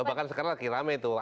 bahkan sekarang lagi rame tuh